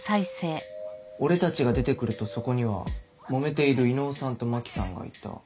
俺たちが出て来るとそこにはもめている伊能さんと真紀さんがいた。